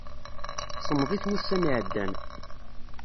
Semmḍit wussan iɛeddan.